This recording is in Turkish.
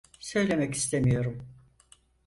Söylemek istemiyorum.